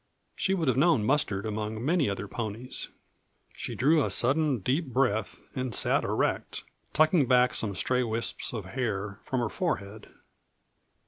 She would have known Mustard among many other ponies. She drew a sudden, deep breath and sat erect, tucking back some stray wisps of hair from her forehead.